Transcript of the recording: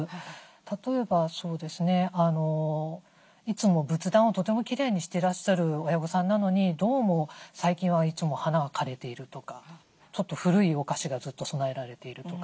例えばそうですねいつも仏壇をとてもきれいにしてらっしゃる親御さんなのにどうも最近はいつも花が枯れているとかちょっと古いお菓子がずっと供えられているとか。